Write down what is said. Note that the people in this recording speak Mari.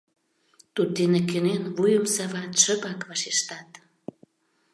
Туддене кӧнен, вуйым сават, шыпак вашештат: